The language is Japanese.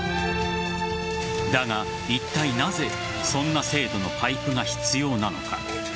だが、いったいなぜそんな精度のパイプが必要なのか。